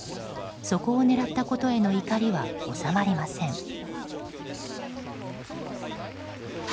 そこを狙ったことへの怒りは収まりません。